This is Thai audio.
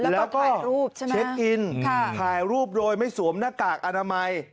แล้วก็เช็คอินถ่ายรูปโดยไม่สวมหน้ากากอนามัย